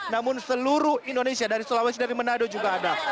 namun seluruh indonesia dari sulawesi dari manado juga ada